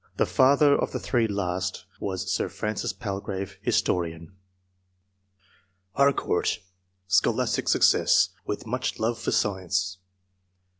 (The father of the three last was Sir Francis Palgrave, historian.) Harcourt. — Scholastic success, with much love for science.